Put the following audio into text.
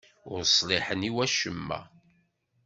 Ur ṣliḥen i wacemma.